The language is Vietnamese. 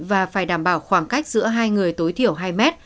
và phải đảm bảo khoảng cách giữa hai người tối thiểu hai mét